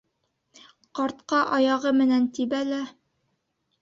Ҡартҡа аяғы менән тибә лә: